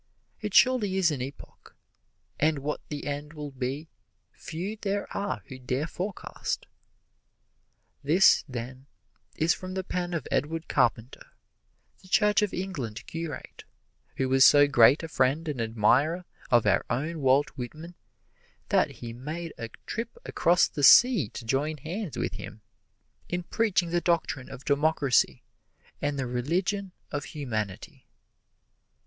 It surely is an epoch, and what the end will be few there are who dare forecast. This then is from the pen of Edward Carpenter, the Church of England curate who was so great a friend and admirer of our own Walt Whitman that he made a trip across the sea to join hands with him in preaching the doctrine of democracy and the religion of humanity.